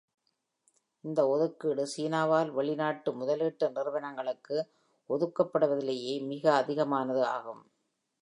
இந்த ஒதுக்கீடு சீனாவால் வெளிநாட்டு முதலீட்டு நிறுவனங்களுக்கு ஒதுக்கப்படுவதிலேயே மிக அதிகமானது ஆகும்.